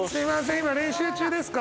今練習中ですか？